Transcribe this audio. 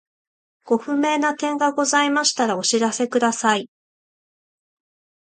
ご不明な点がございましたらお知らせください。